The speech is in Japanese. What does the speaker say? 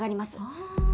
ああ。